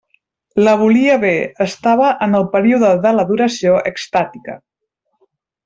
La volia bé: estava en el període de l'adoració extàtica.